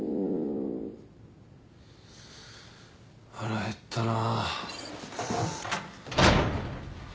腹減ったな。